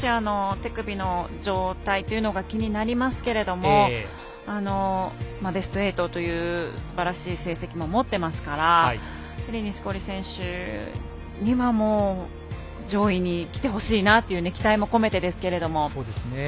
手首の状態というのが気になりますけれどもベスト８というすばらしい成績も持ってますからやはり錦織選手には上位にきてほしいなという期待も込めてですけれども。